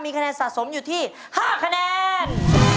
คะแนนสะสมอยู่ที่๕คะแนน